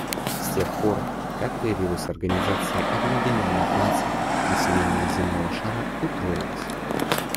С тех пор, как появилась Организация Объединенных Наций, население земного шара утроилось.